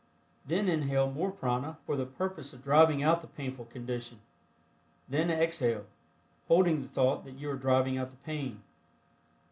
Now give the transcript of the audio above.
Then inhale more prana for the purpose of driving out the painful condition; then exhale, holding the thought that you are driving out the pain.